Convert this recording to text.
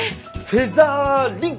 フェザー・リン。